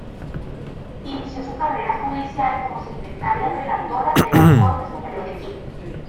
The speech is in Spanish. Inició su carrera judicial como secretaria relatora de la Corte Superior de Quito.